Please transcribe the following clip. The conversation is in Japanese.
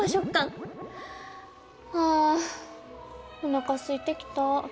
あおなかすいてきた。